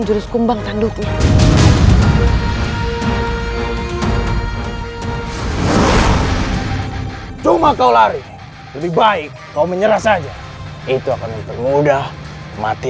jurus kumbang tanduknya cuma kau lari lebih baik kau menyerah saja itu akan mempermudah mati